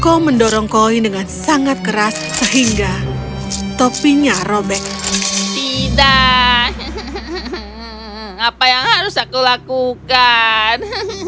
kau mendorong koin dengan sangat keras sehingga topinya robek tidak apa yang harus aku lakukan